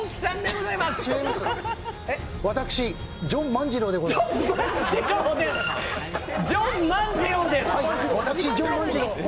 違います、私、ジョン万次郎でございます。